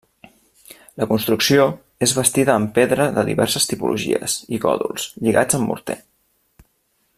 La construcció és bastida amb pedra de diverses tipologies i còdols, lligats amb morter.